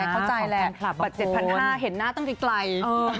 เข้าใจแหละบัตร๗๕๐๐เห็นหน้าตั้งไกล